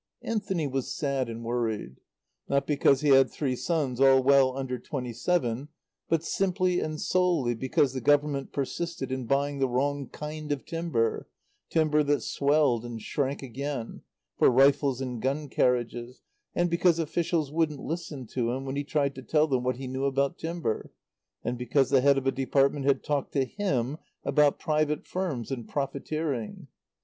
Anthony was sad and worried, not because he had three sons, all well under twenty seven, but simply and solely because the Government persisted in buying the wrong kind of timber timber that swelled and shrank again for rifles and gun carriages, and because officials wouldn't listen to him when he tried to tell them what he knew about timber, and because the head of a department had talked to him about private firms and profiteering.